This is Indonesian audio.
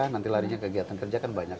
nanti larinya kegiatan kerja kan banyak